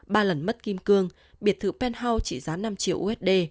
ba lần mất kim cương biệt thự penhall chỉ giá năm triệu usd